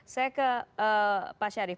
saya ke pak syarif